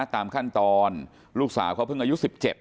ตามขั้นตอนลูกสาวเขาเพิ่งอายุ๑๗